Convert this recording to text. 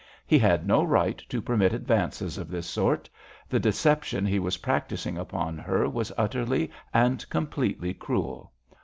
He had no right to permit advances of this sort; the deception he was practising upon her was utterly and completely cruel.